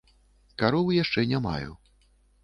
Каровы яшчэ не маю.